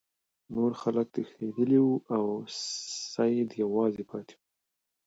نور خلک تښتیدلي وو او سید یوازې پاتې شو.